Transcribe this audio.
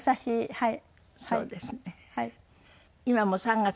はい。